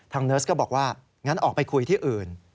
เนิร์สก็บอกว่างั้นออกไปคุยที่อื่น